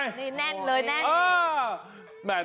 นี่แน่นเลยแน่น